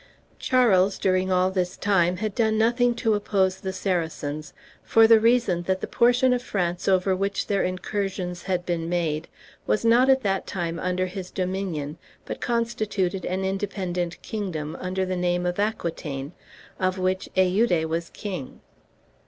Charles during all this time had done nothing to oppose the Saracens, for the reason that the portion of France over which their incursions had been made was not at that time under his dominion, but constituted an independent kingdom, under the name of Aquitaine, of which Eude was king.